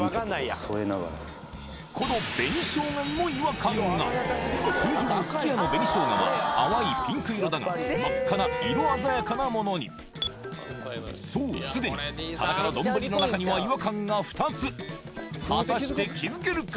この通常すき家の紅しょうがは淡いピンク色だが真っ赤な色鮮やかなものにそうすでに田中の丼の中には違和感が２つ果たして気づけるか？